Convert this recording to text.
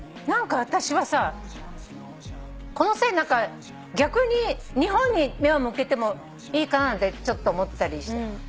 何か私はさこの際逆に日本に目を向けてもいいかななんてちょっと思ったりして。